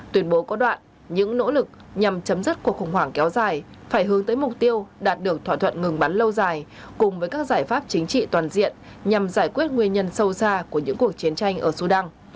tuyên bố có đoạn những nỗ lực nhằm chấm dứt cuộc khủng hoảng kéo dài phải hướng tới mục tiêu đạt được thỏa thuận ngừng bắn lâu dài cùng với các giải pháp chính trị toàn diện nhằm giải quyết nguyên nhân sâu xa của những cuộc chiến tranh ở sudan